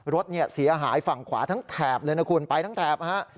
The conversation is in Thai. รถเสียหายฝั่งขวาทั้งแถบเลยนะคุณไปทั้งแถบนะฮะ